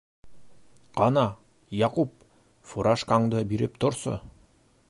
- Ҡана, Яҡуп, фуражкаңды биреп торсо.